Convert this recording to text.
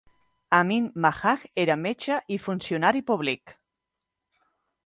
Amin Majaj era metge i funcionari públic.